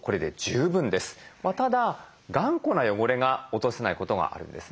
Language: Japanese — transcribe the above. ただ頑固な汚れが落とせないことがあるんですね。